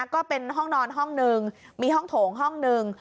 ก็เป็นห้องนอนห้องนึงมีห้องโถงห้องหนึ่ง